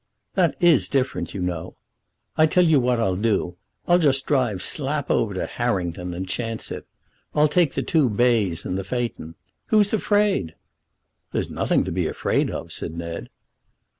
"That is different, you know. I'll tell you what I'll do. I'll just drive slap over to Harrington and chance it. I'll take the two bays in the phaeton. Who's afraid?" "There's nothing to be afraid of," said Ned.